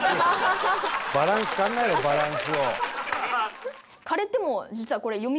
バランス考えろバランスを。